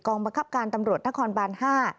บังคับการตำรวจนครบาน๕